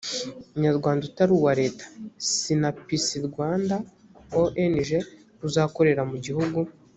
nyarwanda utari uwa leta sinapisirwanda ong uzakorera mu gihugu